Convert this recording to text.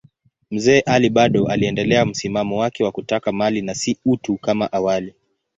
Mzee Ali bado aliendelea msimamo wake wa kutaka mali na si utu kama awali.